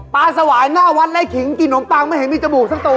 สวายหน้าวัดไล่ขิงกินนมปังไม่เห็นมีจมูกสักตัว